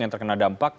yang terkena dampak